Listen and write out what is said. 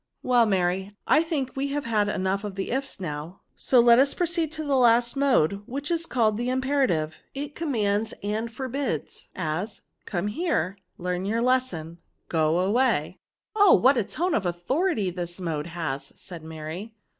"" Well, Mary, I think we have enough of the ifs now ; so let us proceed to the last mode, which is called the imperative ; it commands and forbids, as, ' Come here,' ' learn your lesson,' * go away.' " 226 VERBS* '^ Oh ! what a tone of authority this mode has!" said Mary.